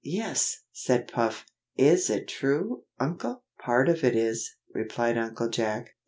"Yes!" said Puff; "is it true, Uncle?" "Part of it is," replied Uncle Jack.